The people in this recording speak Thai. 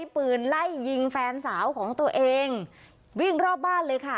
ปืนไล่ยิงแฟนสาวของตัวเองวิ่งรอบบ้านเลยค่ะ